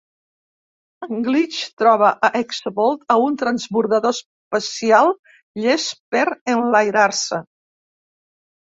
En Glitch troba a Exavolt a un transbordador espacial llest per enlairar-se.